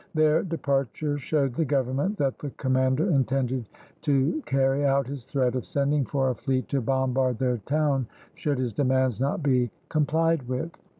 Their departure showed the government that the commander intended to carry out his threat of sending for a fleet to bombard their town should his demands not be complied with.